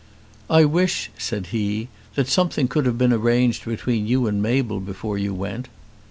"I wish," said he, "that something could have been arranged between you and Mabel before you went."